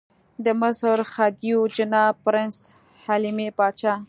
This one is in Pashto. د مصر خدیو جناب پرنس حلمي پاشا.